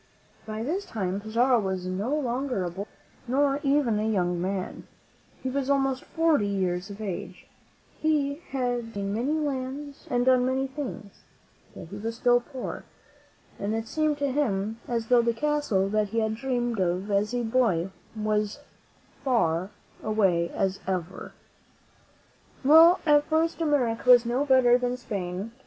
By this time Pizarro was no longer a boy, nor even a young man; he was almost forty years of age. He had seen many lands and done many things; yet he was still poor, and it iC^ ■:>>' :J.'% ^VM^i THE m. MEN' WHO FOUND AMERIC ^^ '^■'ji. seemed to him as though the castle that he had dreamed of as a boy was as far away as ever. Well, at first America was no better than Spain.